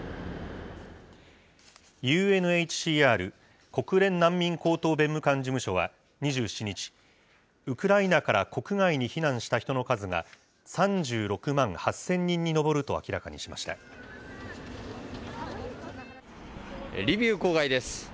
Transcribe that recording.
ＵＮＨＣＲ・国連難民高等弁務官事務所は、２７日、ウクライナから国外に避難した人の数が３６万８０００人に上るとリビウ郊外です。